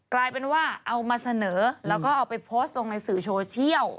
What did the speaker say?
กลายเป็นว่าเอามาเสนอแล้วก็เอาไปโพสต์ลงในสื่อโซเชียล